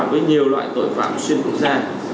với nhiều loại tội phạm xuyên quốc gia